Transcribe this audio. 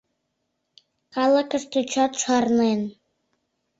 Калыкыште чот шарлен.